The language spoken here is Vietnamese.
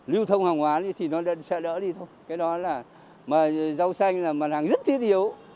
lưu thông hàng hóa đi thì nó sẽ đỡ đi thôi cái đó là mà rau xanh là màn hàng rất thiết yếu